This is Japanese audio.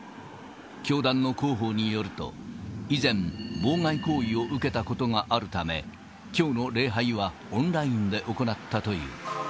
教団の広報によると、以前、妨害行為を受けたことがあるため、きょうの礼拝はオンラインで行ったという。